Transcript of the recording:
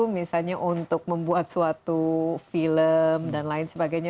misalnya untuk membuat suatu film dan lain sebagainya